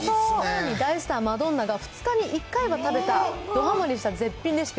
大スター、マドンナが２日に１回は食べたドハマリした絶品レシピ。